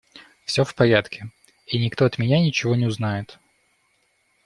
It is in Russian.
Все в порядке, и никто от меня ничего не узнает.